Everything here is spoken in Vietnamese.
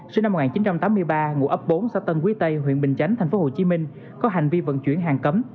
sinh năm một nghìn chín trăm tám mươi ba ngũ ấp bốn xã tân quý tây huyện bình chánh thành phố hồ chí minh có hành vi vận chuyển hàng cấm